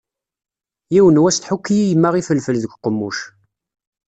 Yiwen n wass tḥukki-yi yemma ifelfel deg uqemmuc.